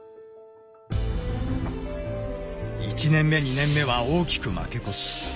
１年目２年目は大きく負け越し。